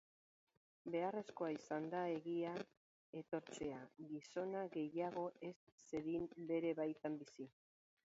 Beharrezkoa izan da egia etortzea, gizona gehiago ez zedin bere baitan bizi.